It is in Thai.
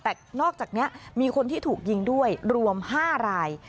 แต่นอกจากนี้มีคนที่ถูกยิงด้วยรวม๕ราย